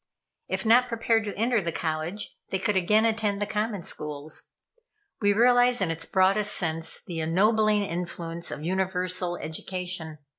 If not prepared to enter the college, they could again attend the common schools. We realize in its broadest sense the ennobling influence of universal education.